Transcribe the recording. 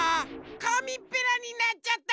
かみっぺらになっちゃった！